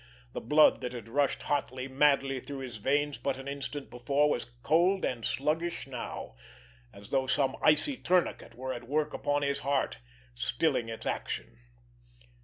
The blood that had rushed hotly, madly through his veins but an instant before was cold and sluggish now, as though some icy tourniquet were at work upon his heart, stilling its action.